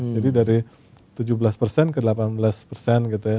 jadi dari tujuh belas ke delapan belas gitu ya